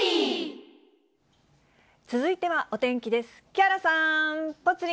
続いてはお天気です。